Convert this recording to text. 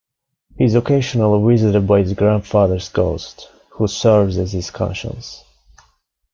He is occasionally visited by his grandfather's ghost, who serves as his conscience.